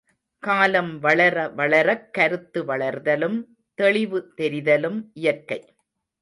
காலம் வளர வளரக் கருத்து வளர்தலும், தெளிவு தெரிதலும் இயற்கை.